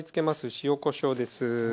塩・こしょうです。